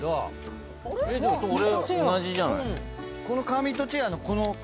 このカーミットチェアのこの。